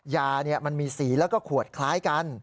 ยามันมีสีแล้วก็ขวดคล้ายกัน